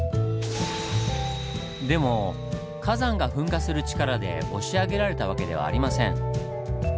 でも火山が噴火する力で押し上げられたわけではありません。